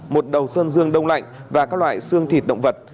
một đầu sơn dương đông lạnh và các loại xương thịt động vật